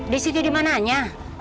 disitu dimana aja